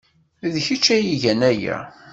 D kečč ay igan aya!